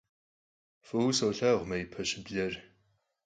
F'ıue solhağur maipe şıbler.